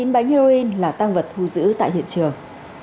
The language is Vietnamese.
tám mươi chín bánh heroin là tăng vật thu giữ tại hiện trường